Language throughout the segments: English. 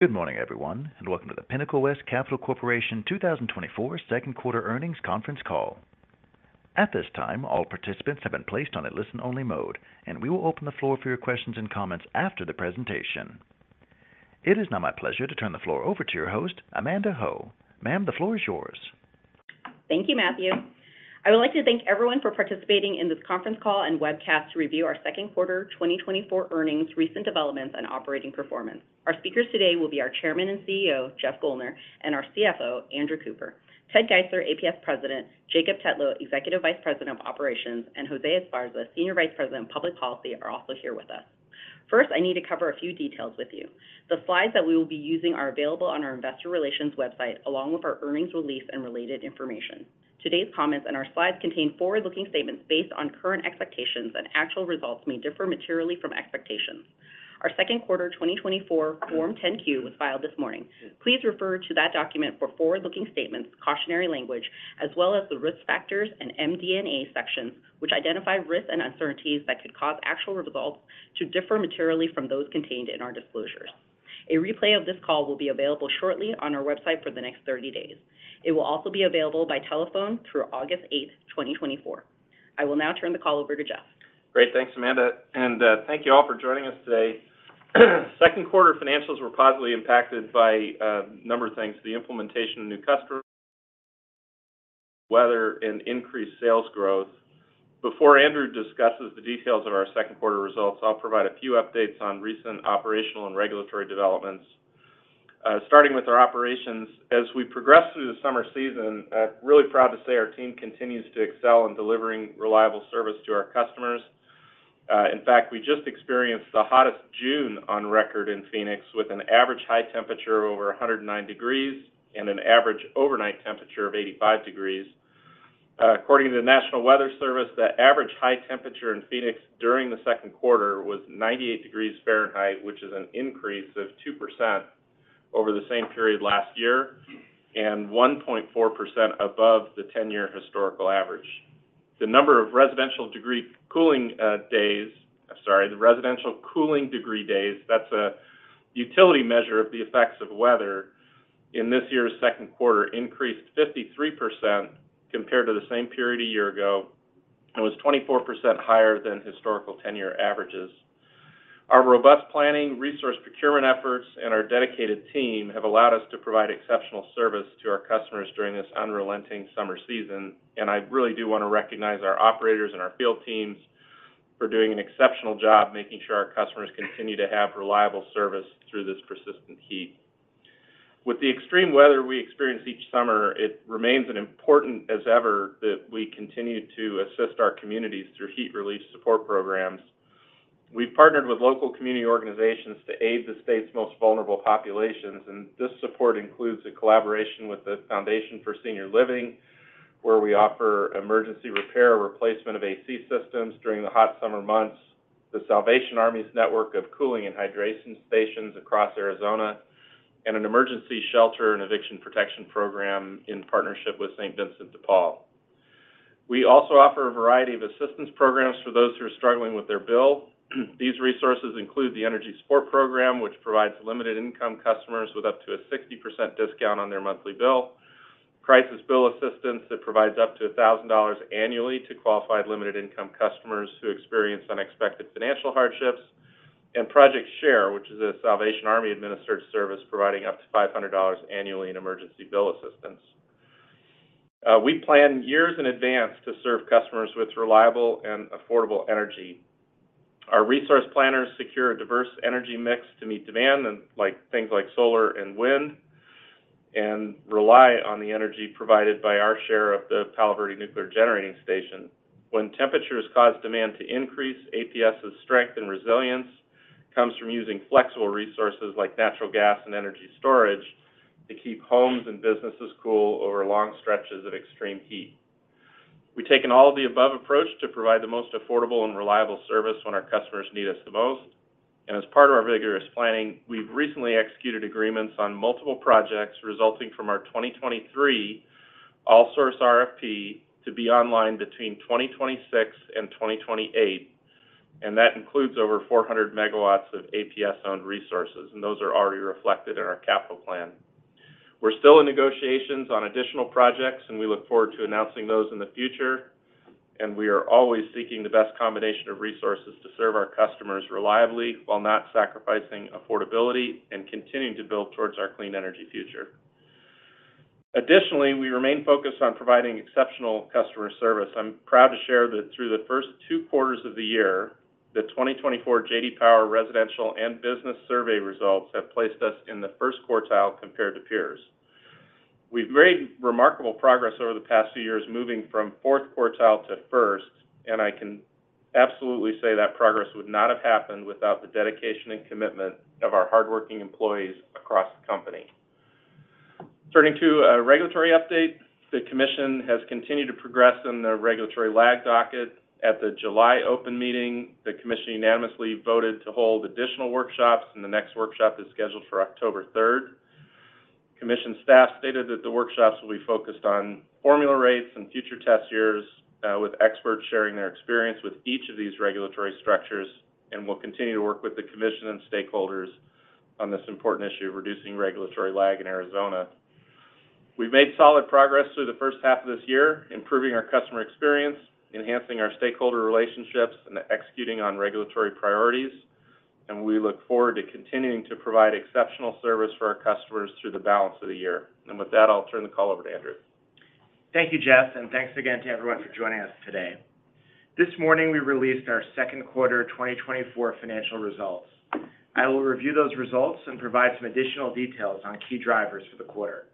Good morning, everyone, and welcome to the Pinnacle West Capital Corporation 2024 second quarter earnings conference call. At this time, all participants have been placed on a listen-only mode, and we will open the floor for your questions and comments after the presentation. It is now my pleasure to turn the floor over to your host, Amanda Ho. Ma'am, the floor is yours. Thank you, Matthew. I would like to thank everyone for participating in this conference call and webcast to review our second quarter 2024 earnings, recent developments, and operating performance. Our speakers today will be our Chairman and CEO, Jeff Guldner, and our CFO, Andrew Cooper. Ted Geisler, APS President; Jacob Tetlow, Executive Vice President of Operations; and Jose Esparza, Senior Vice President of Public Policy, are also here with us. First, I need to cover a few details with you. The slides that we will be using are available on our investor relations website, along with our earnings release and related information. Today's comments and our slides contain forward-looking statements based on current expectations, and actual results may differ materially from expectations. Our second quarter 2024 Form 10-Q was filed this morning. Please refer to that document for forward-looking statements, cautionary language, as well as the risk factors and MD&A sections, which identify risks and uncertainties that could cause actual results to differ materially from those contained in our disclosures. A replay of this call will be available shortly on our website for the next 30 days. It will also be available by telephone through August 8, 2024. I will now turn the call over to Jeff. Great. Thanks, Amanda. And thank you all for joining us today. Second quarter financials were positively impacted by a number of things: the implementation of new customers, weather, and increased sales growth. Before Andrew discusses the details of our second quarter results, I'll provide a few updates on recent operational and regulatory developments. Starting with our operations, as we progress through the summer season, I'm really proud to say our team continues to excel in delivering reliable service to our customers. In fact, we just experienced the hottest June on record in Phoenix, with an average high temperature of over 109 degrees and an average overnight temperature of 85 degrees. According to the National Weather Service, the average high temperature in Phoenix during the second quarter was 98 degrees Fahrenheit, which is an increase of 2% over the same period last year and 1.4% above the 10-year historical average. The number of residential degree cooling days, sorry, the residential cooling degree days—that's a utility measure of the effects of weather in this year's second quarter increased 53% compared to the same period a year ago and was 24% higher than historical 10-year averages. Our robust planning, resource procurement efforts, and our dedicated team have allowed us to provide exceptional service to our customers during this unrelenting summer season. I really do want to recognize our operators and our field teams for doing an exceptional job making sure our customers continue to have reliable service through this persistent heat. With the extreme weather we experience each summer, it remains as important as ever that we continue to assist our communities through heat relief support programs. We've partnered with local community organizations to aid the state's most vulnerable populations. This support includes a collaboration with the Foundation for Senior Living, where we offer emergency repair or replacement of AC systems during the hot summer months, the Salvation Army's network of cooling and hydration stations across Arizona, and an emergency shelter and eviction protection program in partnership with St. Vincent de Paul. We also offer a variety of assistance programs for those who are struggling with their bill. These resources include the Energy Support Program, which provides limited-income customers with up to a 60% discount on their monthly bill, Crisis Bill Assistance, that provides up to $1,000 annually to qualified limited-income customers who experience unexpected financial hardships, and Project SHARE, which is a Salvation Army-administered service providing up to $500 annually in emergency bill assistance. We plan years in advance to serve customers with reliable and affordable energy. Our resource planners secure a diverse energy mix to meet demand, like things like solar and wind, and rely on the energy provided by our share of the Palo Verde Nuclear Generating Station. When temperatures cause demand to increase, APS's strength and resilience comes from using flexible resources like natural gas and energy storage to keep homes and businesses cool over long stretches of extreme heat. We take an all-of-the-above approach to provide the most affordable and reliable service when our customers need us the most. As part of our rigorous planning, we've recently executed agreements on multiple projects resulting from our 2023 All-Source RFP to be online between 2026 and 2028. That includes over 400 MW of APS-owned resources, and those are already reflected in our capital plan. We're still in negotiations on additional projects, and we look forward to announcing those in the future. We are always seeking the best combination of resources to serve our customers reliably while not sacrificing affordability and continuing to build towards our clean energy future. Additionally, we remain focused on providing exceptional customer service. I'm proud to share that through the first two quarters of the year, the 2024 J.D. Power Residential and Business Survey results have placed us in the first quartile compared to peers. We've made remarkable progress over the past few years, moving from fourth quartile to first. I can absolutely say that progress would not have happened without the dedication and commitment of our hardworking employees across the company. Turning to a regulatory update, the Commission has continued to progress in the regulatory lag docket. At the July open meeting, the Commission unanimously voted to hold additional workshops, and the next workshop is scheduled for October 3rd. Commission staff stated that the workshops will be focused on formula rates and future test years, with experts sharing their experience with each of these regulatory structures. We'll continue to work with the Commission and stakeholders on this important issue of reducing regulatory lag in Arizona. We've made solid progress through the first half of this year, improving our customer experience, enhancing our stakeholder relationships, and executing on regulatory priorities. We look forward to continuing to provide exceptional service for our customers through the balance of the year. With that, I'll turn the call over to Andrew. Thank you, Jeff. Thanks again to everyone for joining us today. This morning, we released our second quarter 2024 financial results. I will review those results and provide some additional details on key drivers for the quarter.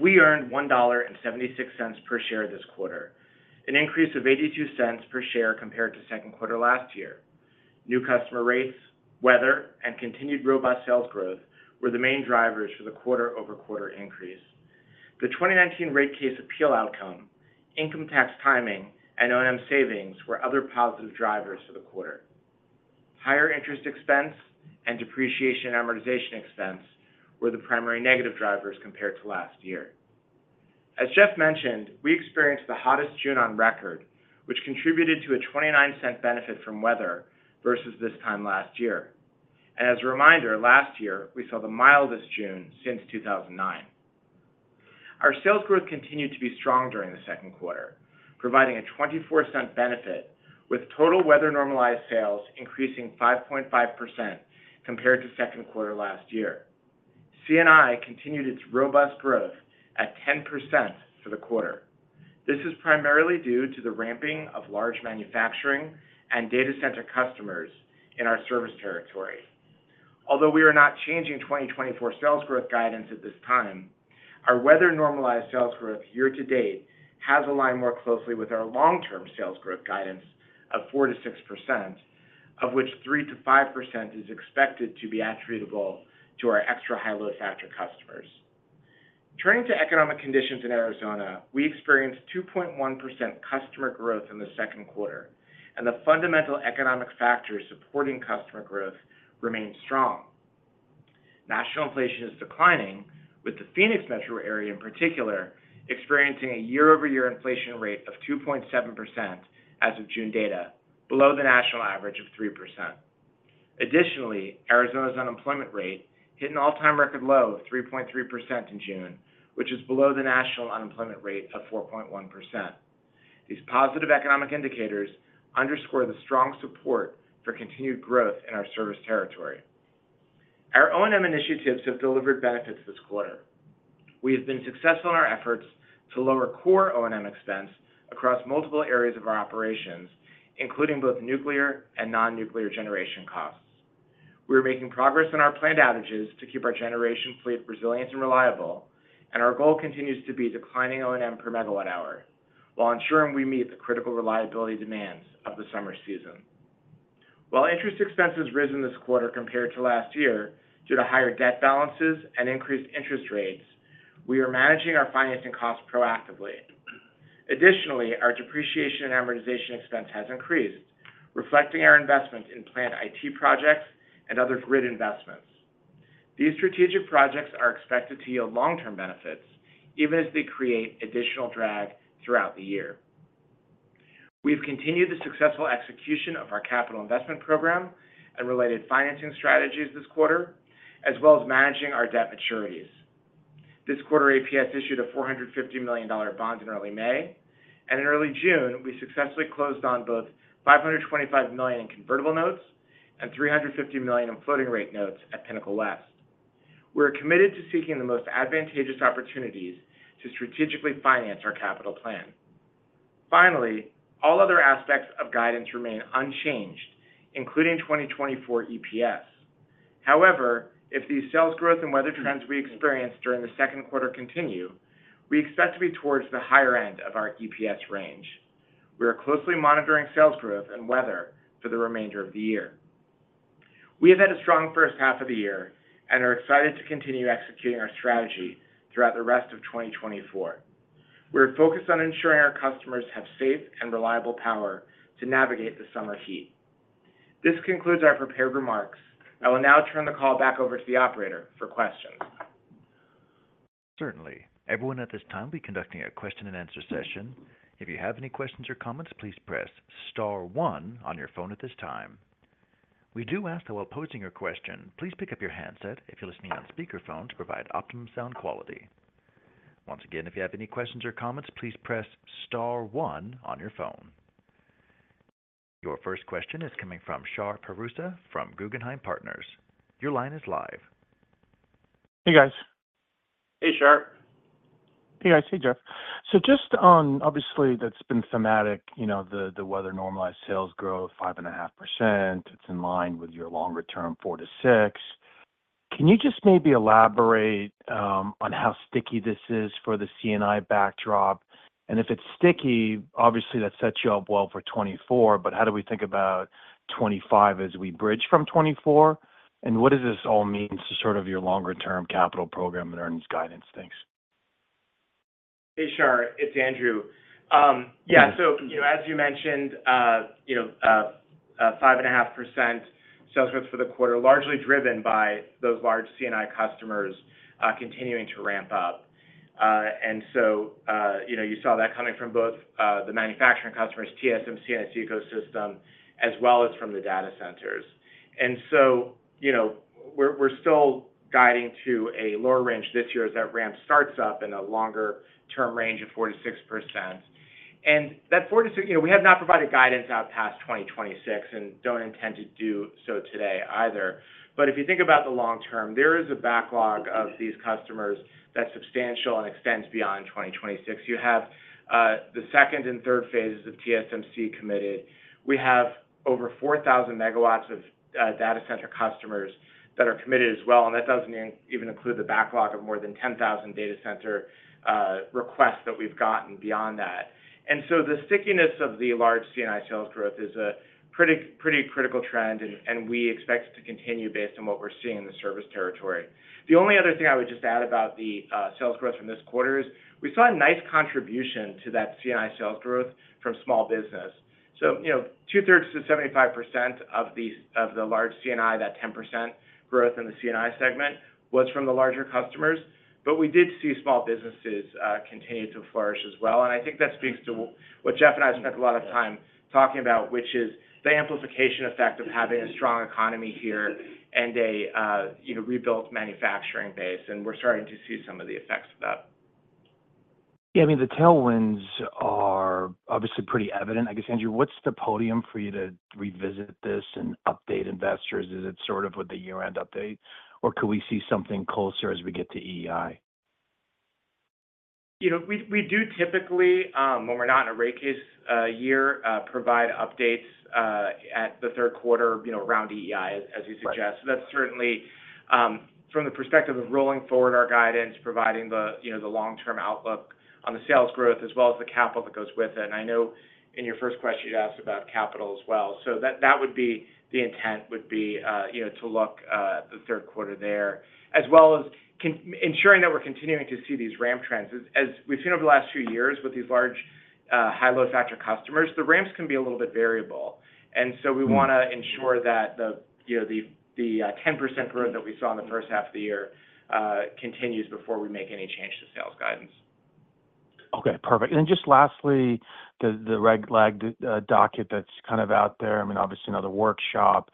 We earned $1.76 per share this quarter, an increase of $0.82 per share compared to second quarter last year. New customer rates, weather, and continued robust sales growth were the main drivers for the quarter-over-quarter increase. The 2019 rate case appeal outcome, income tax timing, and O&M savings were other positive drivers for the quarter. Higher interest expense and depreciation amortization expense were the primary negative drivers compared to last year. As Jeff mentioned, we experienced the hottest June on record, which contributed to a $0.29 benefit from weather versus this time last year. As a reminder, last year, we saw the mildest June since 2009. Our sales growth continued to be strong during the second quarter, providing a $0.24 benefit, with total weather-normalized sales increasing 5.5% compared to second quarter last year. CNI continued its robust growth at 10% for the quarter. This is primarily due to the ramping of large manufacturing and data center customers in our service territory. Although we are not changing 2024 sales growth guidance at this time, our weather-normalized sales growth year to date has aligned more closely with our long-term sales growth guidance of 4%-6%, of which 3%-5% is expected to be attributable to our extra high load factor customers. Turning to economic conditions in Arizona, we experienced 2.1% customer growth in the second quarter, and the fundamental economic factors supporting customer growth remain strong. National inflation is declining, with the Phoenix metro area in particular experiencing a year-over-year inflation rate of 2.7% as of June data, below the national average of 3%. Additionally, Arizona's unemployment rate hit an all-time record low of 3.3% in June, which is below the national unemployment rate of 4.1%. These positive economic indicators underscore the strong support for continued growth in our service territory. Our O&M initiatives have delivered benefits this quarter. We have been successful in our efforts to lower core O&M expense across multiple areas of our operations, including both nuclear and non-nuclear generation costs. We are making progress on our planned outages to keep our generation fleet resilient and reliable, and our goal continues to be declining O&M per megawatt hour while ensuring we meet the critical reliability demands of the summer season. While interest expenses have risen this quarter compared to last year due to higher debt balances and increased interest rates, we are managing our financing costs proactively. Additionally, our depreciation and amortization expense has increased, reflecting our investment in planned IT projects and other grid investments. These strategic projects are expected to yield long-term benefits, even as they create additional drag throughout the year. We've continued the successful execution of our capital investment program and related financing strategies this quarter, as well as managing our debt maturities. This quarter, APS issued a $450 million bond in early May. In early June, we successfully closed on both $525 million in convertible notes and $350 million in floating rate notes at Pinnacle West. We're committed to seeking the most advantageous opportunities to strategically finance our capital plan. Finally, all other aspects of guidance remain unchanged, including 2024 EPS. However, if the sales growth and weather trends we experienced during the second quarter continue, we expect to be towards the higher end of our EPS range. We are closely monitoring sales growth and weather for the remainder of the year. We have had a strong first half of the year and are excited to continue executing our strategy throughout the rest of 2024. We are focused on ensuring our customers have safe and reliable power to navigate the summer heat. This concludes our prepared remarks. I will now turn the call back over to the operator for questions. Certainly. Everyone at this time will be conducting a question-and-answer session. If you have any questions or comments, please press Star 1 on your phone at this time. We do ask that while posing your question, please pick up your handset if you're listening on speakerphone to provide optimum sound quality. Once again, if you have any questions or comments, please press Star 1 on your phone. Your first question is coming from Shar Pourreza from Guggenheim Partners. Your line is live. Hey, guys. Hey, Shar. Hey, guys. Hey, Jeff. So just on, obviously, that's been thematic, the weather-normalized sales growth, 5.5%. It's in line with your longer-term 4%-6%. Can you just maybe elaborate on how sticky this is for the CNI backdrop? And if it's sticky, obviously, that sets you up well for 2024. But how do we think about 2025 as we bridge from 2024? And what does this all mean to sort of your longer-term capital program and earnings guidance things? Hey, Shar. It's Andrew. Yeah. So as you mentioned, 5.5% sales growth for the quarter, largely driven by those large CNI customers continuing to ramp up. And so you saw that coming from both the manufacturing customers, TSMC and its ecosystem, as well as from the data centers. And so we're still guiding to a lower range this year as that ramp starts up in a longer-term range of 4%-6%. And that 4%-6%, we have not provided guidance out past 2026 and don't intend to do so today either. But if you think about the long term, there is a backlog of these customers that's substantial and extends beyond 2026. You have the second and third phases of TSMC committed. We have over 4,000 MW of data center customers that are committed as well. That doesn't even include the backlog of more than 10,000 data center requests that we've gotten beyond that. So the stickiness of the large CNI sales growth is a pretty critical trend, and we expect it to continue based on what we're seeing in the service territory. The only other thing I would just add about the sales growth from this quarter is we saw a nice contribution to that CNI sales growth from small business. So 2/3 to 75% of the large CNI, that 10% growth in the CNI segment, was from the larger customers. But we did see small businesses continue to flourish as well. And I think that speaks to what Jeff and I spent a lot of time talking about, which is the amplification effect of having a strong economy here and a rebuilt manufacturing base. We're starting to see some of the effects of that. Yeah. I mean, the tailwinds are obviously pretty evident. I guess, Andrew, what's the podium for you to revisit this and update investors? Is it sort of with the year-end update, or could we see something closer as we get to EEI? We do typically, when we're not in a rate case year, provide updates at the third quarter around EEI, as you suggest. So that's certainly from the perspective of rolling forward our guidance, providing the long-term outlook on the sales growth as well as the capital that goes with it. And I know in your first question, you asked about capital as well. So that would be the intent would be to look at the third quarter there, as well as ensuring that we're continuing to see these ramp trends. As we've seen over the last few years with these large high load factor customers, the ramps can be a little bit variable. And so we want to ensure that the 10% growth that we saw in the first half of the year continues before we make any change to sales guidance. Okay. Perfect. And then just lastly, the Reg lag docket that's kind of out there, I mean, obviously, another workshop.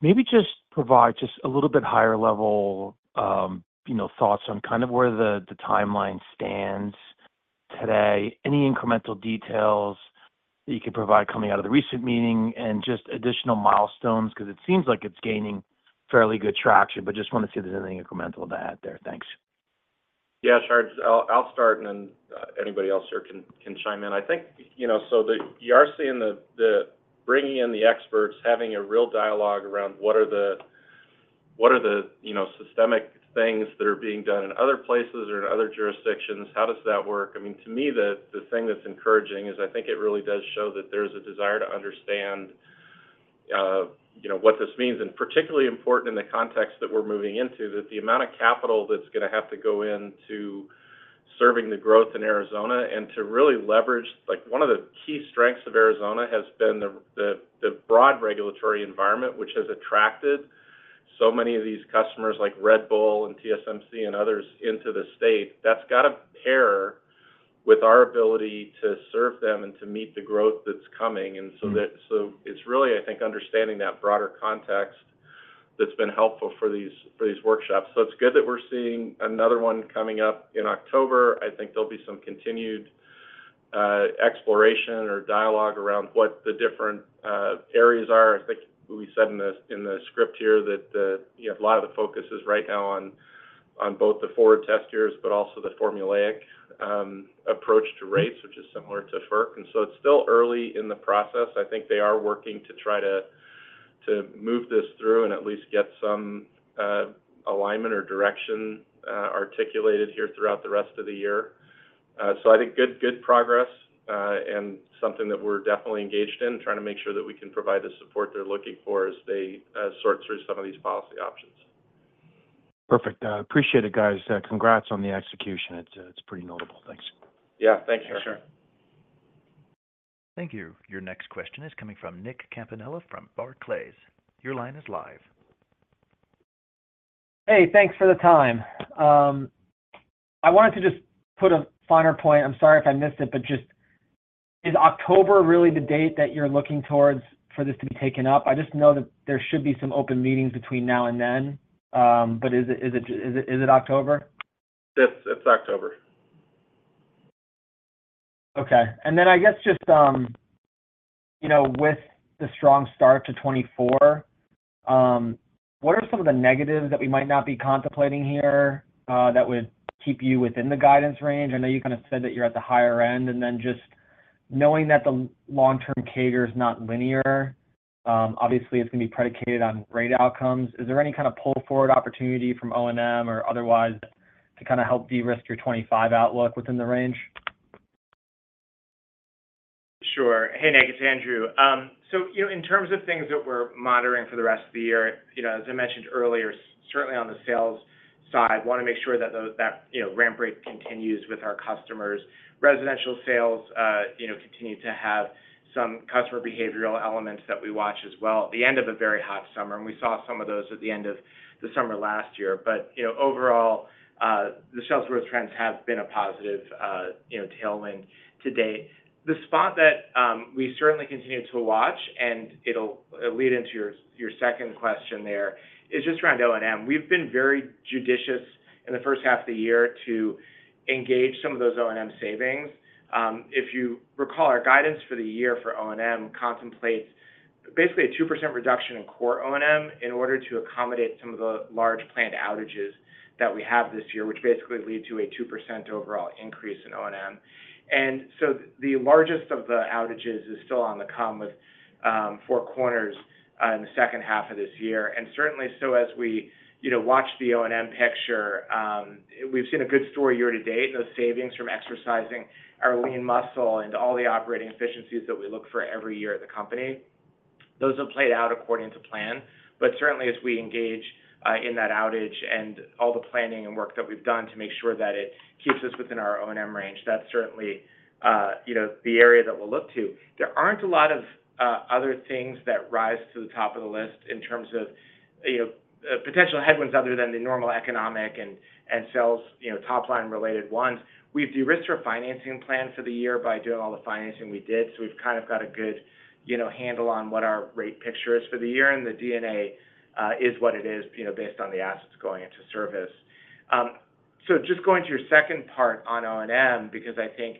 Maybe just provide just a little bit higher-level thoughts on kind of where the timeline stands today, any incremental details that you can provide coming out of the recent meeting, and just additional milestones because it seems like it's gaining fairly good traction. But just want to see if there's anything incremental to add there. Thanks. Yeah, Shar. I'll start, and then anybody else here can chime in. I think so you are seeing the bringing in the experts, having a real dialogue around what are the systemic things that are being done in other places or in other jurisdictions. How does that work? I mean, to me, the thing that's encouraging is I think it really does show that there's a desire to understand what this means. And particularly important in the context that we're moving into, that the amount of capital that's going to have to go into serving the growth in Arizona and to really leverage one of the key strengths of Arizona has been the broad regulatory environment, which has attracted so many of these customers like Red Bull and TSMC and others into the state. That's got to pair with our ability to serve them and to meet the growth that's coming. And so it's really, I think, understanding that broader context that's been helpful for these workshops. So it's good that we're seeing another one coming up in October. I think there'll be some continued exploration or dialogue around what the different areas are. I think we said in the script here that a lot of the focus is right now on both the forward test years, but also the formulaic approach to rates, which is similar to FERC. And so it's still early in the process. I think they are working to try to move this through and at least get some alignment or direction articulated here throughout the rest of the year. I think good progress and something that we're definitely engaged in, trying to make sure that we can provide the support they're looking for as they sort through some of these policy options. Perfect. Appreciate it, guys. Congrats on the execution. It's pretty notable. Thanks. Yeah. Thanks, Shar. Thank you. Your next question is coming from Nick Campanella from Barclays. Your line is live. Hey, thanks for the time. I wanted to just put a finer point. I'm sorry if I missed it, but just is October really the date that you're looking towards for this to be taken up? I just know that there should be some open meetings between now and then. But is it October? Yes. It's October. Okay. And then I guess just with the strong start to 2024, what are some of the negatives that we might not be contemplating here that would keep you within the guidance range? I know you kind of said that you're at the higher end. And then just knowing that the long-term CAGR is not linear, obviously, it's going to be predicated on rate outcomes. Is there any kind of pull-forward opportunity from O&M or otherwise to kind of help de-risk your 2025 outlook within the range? Sure. Hey, Nick. It's Andrew. So in terms of things that we're monitoring for the rest of the year, as I mentioned earlier, certainly on the sales side, want to make sure that that ramp rate continues with our customers. Residential sales continue to have some customer behavioral elements that we watch as well at the end of a very hot summer. And we saw some of those at the end of the summer last year. But overall, the sales growth trends have been a positive tailwind to date. The spot that we certainly continue to watch, and it'll lead into your second question there, is just around O&M. We've been very judicious in the first half of the year to engage some of those O&M savings. If you recall, our guidance for the year for O&M contemplates basically a 2% reduction in core O&M in order to accommodate some of the large planned outages that we have this year, which basically lead to a 2% overall increase in O&M. And so the largest of the outages is still on the come with Four Corners in the second half of this year. And certainly so as we watch the O&M picture, we've seen a good story year to date in those savings from exercising our lean muscle and all the operating efficiencies that we look for every year at the company. Those have played out according to plan. But certainly, as we engage in that outage and all the planning and work that we've done to make sure that it keeps us within our O&M range, that's certainly the area that we'll look to. There aren't a lot of other things that rise to the top of the list in terms of potential headwinds other than the normal economic and sales top-line related ones. We've de-risked our financing plan for the year by doing all the financing we did. So we've kind of got a good handle on what our rate picture is for the year. And the D&A is what it is based on the assets going into service. So just going to your second part on O&M, because I think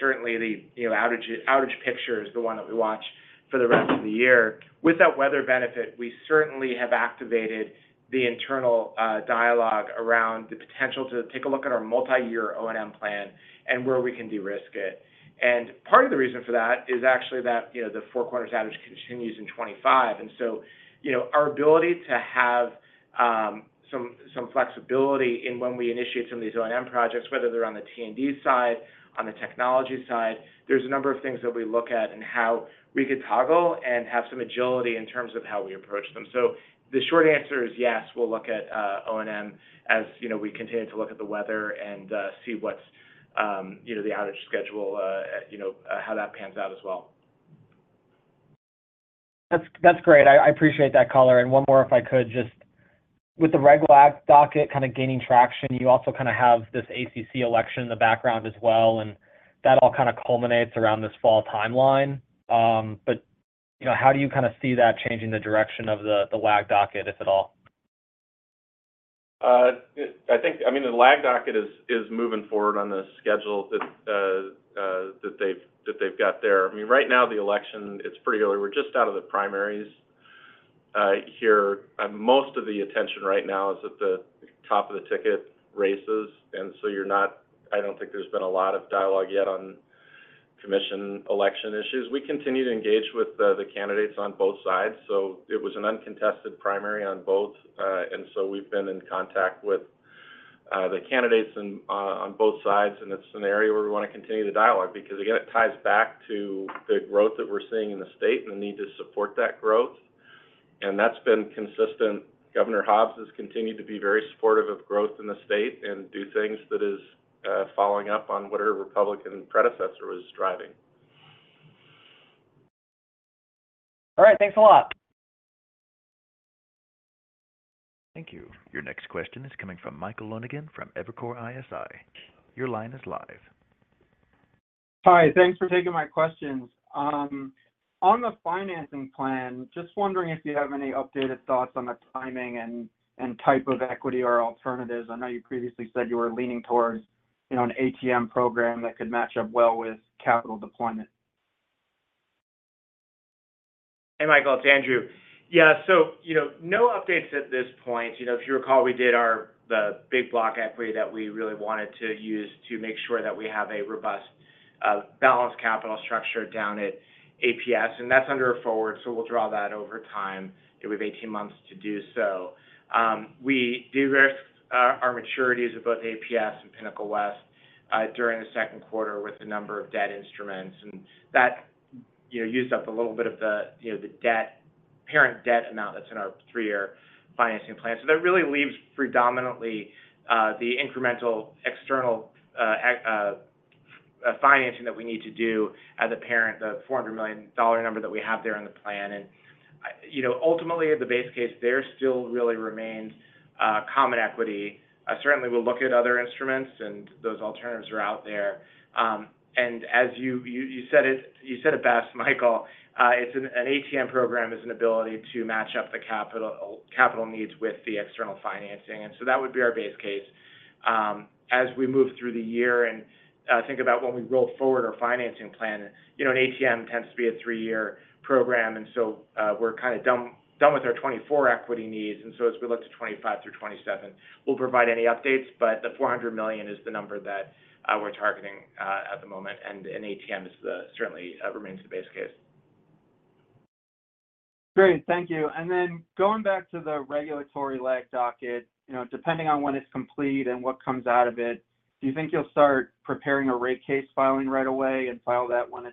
certainly the outage picture is the one that we watch for the rest of the year. With that weather benefit, we certainly have activated the internal dialogue around the potential to take a look at our multi-year O&M plan and where we can de-risk it. And part of the reason for that is actually that the Four Corners outage continues in 2025. And so our ability to have some flexibility in when we initiate some of these O&M projects, whether they're on the T&D side, on the technology side, there's a number of things that we look at and how we could toggle and have some agility in terms of how we approach them. So the short answer is yes, we'll look at O&M as we continue to look at the weather and see what's the outage schedule, how that pans out as well. That's great. I appreciate that, color. One more, if I could, just with the Reg lag docket kind of gaining traction, you also kind of have this ACC election in the background as well. That all kind of culminates around this fall timeline. But how do you kind of see that changing the direction of the lag docket, if at all? I mean, the lag docket is moving forward on the schedule that they've got there. I mean, right now, the election, it's pretty early. We're just out of the primaries here. Most of the attention right now is at the top of the ticket races. And so I don't think there's been a lot of dialogue yet on commission election issues. We continue to engage with the candidates on both sides. So it was an uncontested primary on both. And so we've been in contact with the candidates on both sides. And it's an area where we want to continue the dialogue because, again, it ties back to the growth that we're seeing in the state and the need to support that growth. And that's been consistent. Governor Hobbs has continued to be very supportive of growth in the state and do things that is following up on whatever Republican predecessor was driving. All right. Thanks a lot. Thank you. Your next question is coming from Michael Lapides from Evercore ISI. Your line is live. Hi. Thanks for taking my questions. On the financing plan, just wondering if you have any updated thoughts on the timing and type of equity or alternatives. I know you previously said you were leaning towards an ATM program that could match up well with capital deployment. Hey, Michael. It's Andrew. Yeah. So no updates at this point. If you recall, we did the big block equity that we really wanted to use to make sure that we have a robust balanced capital structure down at APS. And that's under a forward. So we'll draw that over time. We have 18 months to do so. We de-risked our maturities of both APS and Pinnacle West during the second quarter with a number of debt instruments. And that used up a little bit of the parent debt amount that's in our three-year financing plan. So that really leaves predominantly the incremental external financing that we need to do at the parent, the $400 million number that we have there in the plan. And ultimately, the base case, there still really remains common equity. Certainly, we'll look at other instruments, and those alternatives are out there. As you said it best, Michael, an ATM program is an ability to match up the capital needs with the external financing. So that would be our base case. As we move through the year and think about when we roll forward our financing plan, an ATM tends to be a three-year program. So we're kind of done with our 2024 equity needs. As we look to 2025 through 2027, we'll provide any updates. But the $400 million is the number that we're targeting at the moment. And an ATM certainly remains the base case. Great. Thank you. And then going back to the regulatory lag docket, depending on when it's complete and what comes out of it, do you think you'll start preparing a rate case filing right away and file that when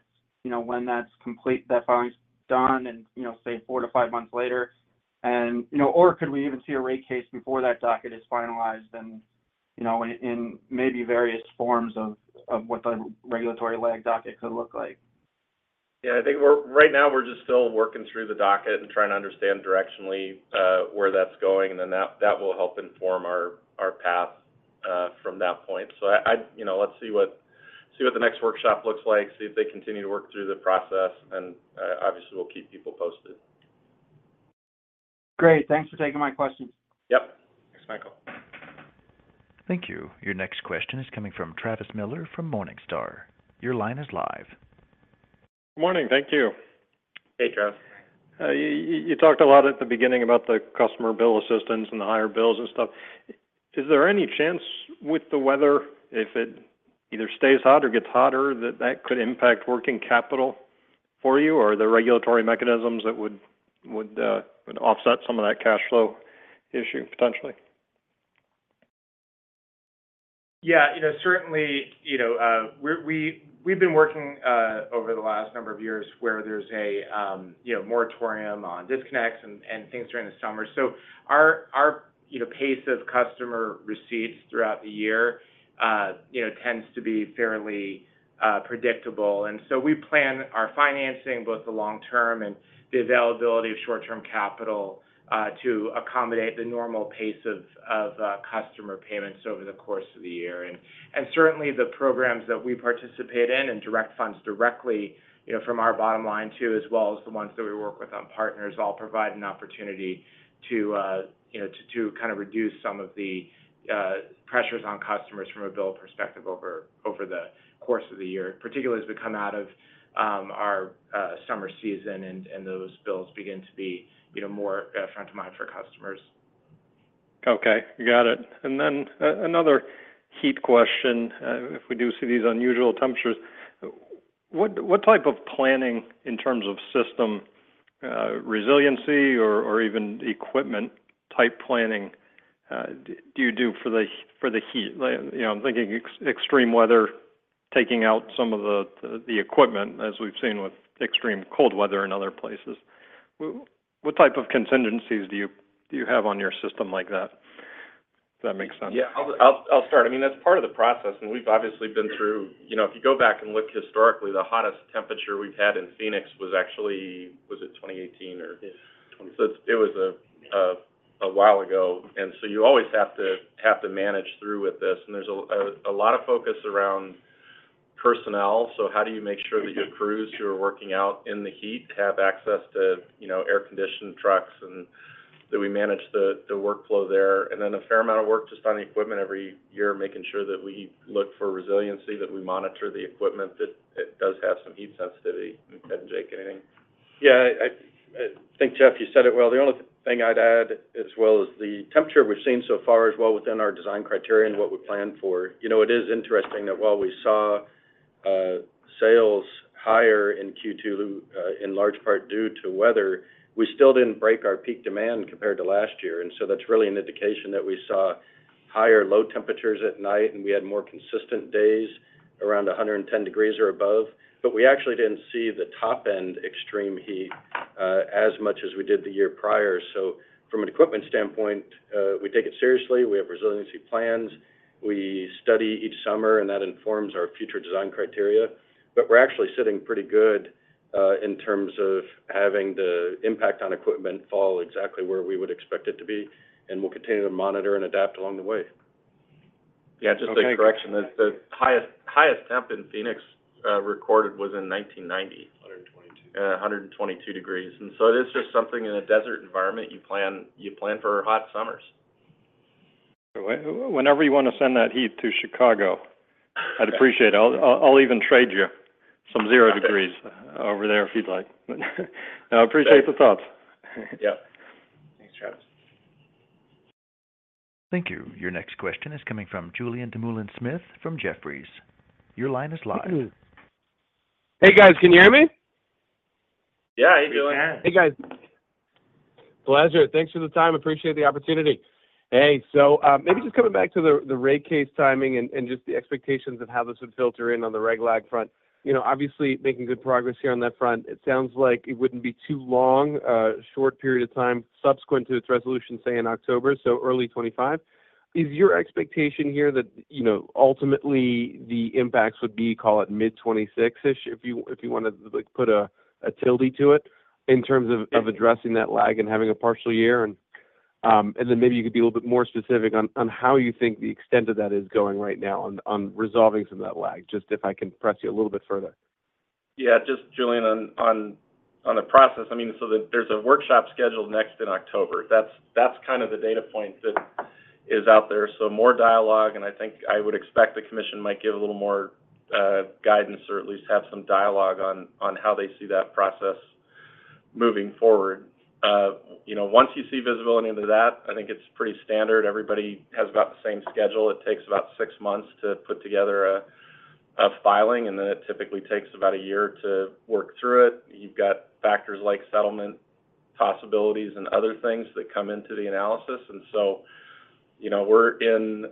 that's complete, that filing's done, and say 4-5 months later? Or could we even see a rate case before that docket is finalized and in maybe various forms of what the regulatory lag docket could look like? Yeah. I think right now, we're just still working through the docket and trying to understand directionally where that's going. And then that will help inform our path from that point. So let's see what the next workshop looks like, see if they continue to work through the process. And obviously, we'll keep people posted. Great. Thanks for taking my questions. Yep. Thanks, Michael. Thank you. Your next question is coming from Travis Miller from Morningstar. Your line is live. Good morning. Thank you. Hey, Travis. You talked a lot at the beginning about the customer bill assistance and the higher bills and stuff. Is there any chance with the weather, if it either stays hot or gets hotter, that that could impact working capital for you or the regulatory mechanisms that would offset some of that cash flow issue potentially? Yeah. Certainly, we've been working over the last number of years where there's a moratorium on disconnects and things during the summer. So our pace of customer receipts throughout the year tends to be fairly predictable. And so we plan our financing, both the long-term and the availability of short-term capital, to accommodate the normal pace of customer payments over the course of the year. And certainly, the programs that we participate in and direct funds directly from our bottom line too, as well as the ones that we work with on partners, all provide an opportunity to kind of reduce some of the pressures on customers from a bill perspective over the course of the year, particularly as we come out of our summer season and those bills begin to be more front of mind for customers. Okay. Got it. And then another heat question, if we do see these unusual temperatures, what type of planning in terms of system resiliency or even equipment-type planning do you do for the heat? I'm thinking extreme weather, taking out some of the equipment as we've seen with extreme cold weather in other places. What type of contingencies do you have on your system like that, if that makes sense? Yeah. I'll start. I mean, that's part of the process. We've obviously been through, if you go back and look historically, the hottest temperature we've had in Phoenix was actually--was it 2018 or? Yeah. So it was a while ago. And so you always have to manage through with this. And there's a lot of focus around personnel. So how do you make sure that your crews who are working out in the heat have access to air-conditioned trucks and that we manage the workflow there? And then a fair amount of work just on the equipment every year, making sure that we look for resiliency, that we monitor the equipment that does have some heat sensitivity. Go ahead, Jake. Anything? Yeah. I think, Jeff, you said it well. The only thing I'd add as well is the temperature we've seen so far is well within our design criteria and what we planned for. It is interesting that while we saw sales higher in Q2, in large part due to weather, we still didn't break our peak demand compared to last year. And so that's really an indication that we saw higher low temperatures at night, and we had more consistent days around 110 degrees or above. But we actually didn't see the top-end extreme heat as much as we did the year prior. So from an equipment standpoint, we take it seriously. We have resiliency plans. We study each summer, and that informs our future design criteria. But we're actually sitting pretty good in terms of having the impact on equipment fall exactly where we would expect it to be. We'll continue to monitor and adapt along the way. Yeah. Just a quick correction. The highest temp in Phoenix recorded was in 1990. 122. 122 degrees. So it is just something in a desert environment. You plan for hot summers. Whenever you want to send that heat to Chicago, I'd appreciate it. I'll even trade you some 0 degrees over there if you'd like. I appreciate the thoughts. Yep. Thanks, Travis. Thank you. Your next question is coming from Julien Dumoulin-Smith from Jefferies. Your line is live. Hey, guys. Can you hear me? Yeah. How are you doing? Hey, guys. Pleasure. Thanks for the time. Appreciate the opportunity. Hey. So maybe just coming back to the rate case timing and just the expectations of how this would filter in on the reg lag front. Obviously, making good progress here on that front. It sounds like it wouldn't be too long, a short period of time subsequent to its resolution, say, in October, so early 2025. Is your expectation here that ultimately the impacts would be, call it mid-2026-ish, if you want to put a tilde to it in terms of addressing that lag and having a partial year? And then maybe you could be a little bit more specific on how you think the extent of that is going right now on resolving some of that lag, just if I can press you a little bit further. Yeah. Just, Julien, on the process, I mean, so there's a workshop scheduled next in October. That's kind of the data point that is out there. So more dialogue. And I think I would expect the commission might give a little more guidance or at least have some dialogue on how they see that process moving forward. Once you see visibility into that, I think it's pretty standard. Everybody has about the same schedule. It takes about six months to put together a filing, and then it typically takes about a year to work through it. You've got factors like settlement possibilities and other things that come into the analysis. And so we're in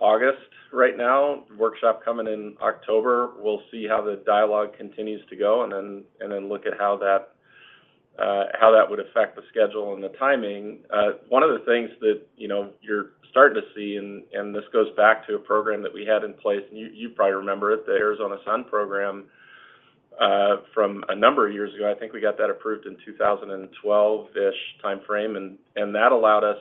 August right now, workshop coming in October. We'll see how the dialogue continues to go and then look at how that would affect the schedule and the timing. One of the things that you're starting to see, and this goes back to a program that we had in place, and you probably remember it, the Arizona Sun program from a number of years ago. I think we got that approved in 2012-ish timeframe. And that allowed us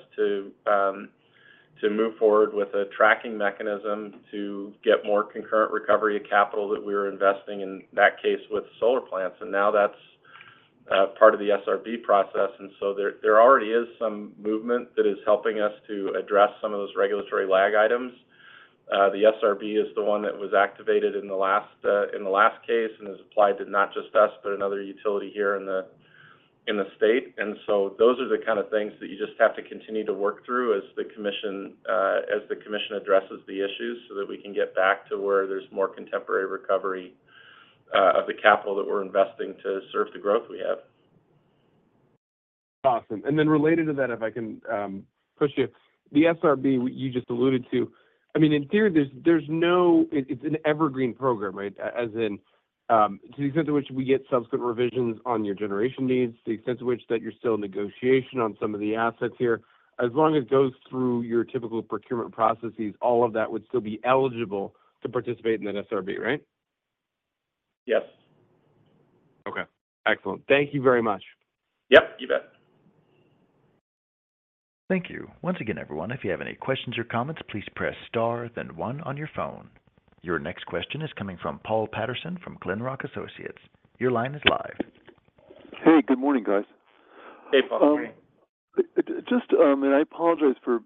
to move forward with a tracking mechanism to get more concurrent recovery of capital that we were investing in that case with solar plants. And now that's part of the SRB process. And so there already is some movement that is helping us to address some of those regulatory lag items. The SRB is the one that was activated in the last case and is applied to not just us, but another utility here in the state. AndAnd so those are the kind of things that you just have to continue to work through as the commission addresses the issues so that we can get back to where there's more contemporary recovery of the capital that we're investing to serve the growth we have. Awesome. And then related to that, if I can push you, the SRB you just alluded to, I mean, in theory, it's an evergreen program, right? To the extent to which we get subsequent revisions on your generation needs, to the extent to which that you're still in negotiation on some of the assets here, as long as it goes through your typical procurement processes, all of that would still be eligible to participate in that SRB, right? Yes. Okay. Excellent. Thank you very much. Yep. You bet. Thank you. Once again, everyone, if you have any questions or comments, please press star, then one on your phone. Your next question is coming from Paul Patterson from Glenrock Associates. Your line is live. Hey. Good morning, guys. Hey, Paul. I apologize for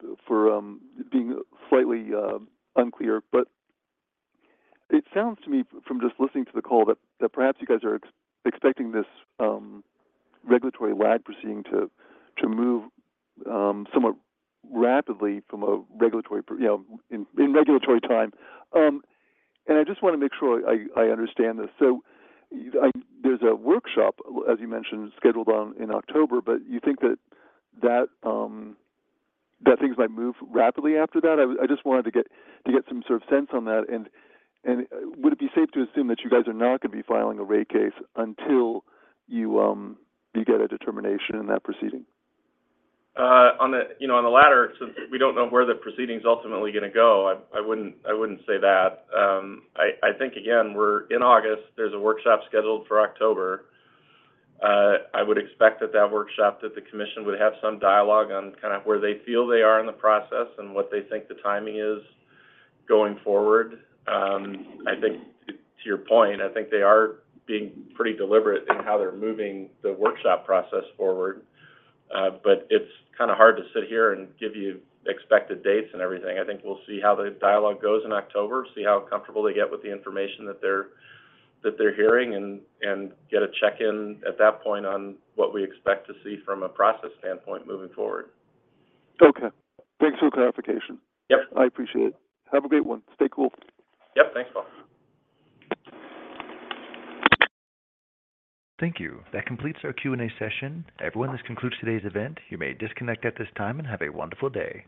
being slightly unclear, but it sounds to me, from just listening to the call, that perhaps you guys are expecting this regulatory lag proceeding to move somewhat rapidly in regulatory time. I just want to make sure I understand this. So there's a workshop, as you mentioned, scheduled in October, but you think that things might move rapidly after that? I just wanted to get some sort of sense on that. Would it be safe to assume that you guys are not going to be filing a rate case until you get a determination in that proceeding? On the latter, since we don't know where the proceeding's ultimately going to go, I wouldn't say that. I think, again, we're in August. There's a workshop scheduled for October. I would expect at that workshop that the commission would have some dialogue on kind of where they feel they are in the process and what they think the timing is going forward. I think, to your point, I think they are being pretty deliberate in how they're moving the workshop process forward. But it's kind of hard to sit here and give you expected dates and everything. I think we'll see how the dialogue goes in October, see how comfortable they get with the information that they're hearing, and get a check-in at that point on what we expect to see from a process standpoint moving forward. Okay. Thanks for the clarification. Yep. I appreciate it. Have a great one. Stay cool. Yep. Thanks, Paul. Thank you. That completes our Q&A session. Everyone, this concludes today's event. You may disconnect at this time and have a wonderful day.